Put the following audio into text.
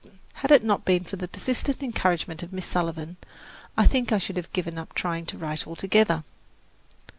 Had it not been for the persistent encouragement of Miss Sullivan, I think I should have given up trying to write altogether.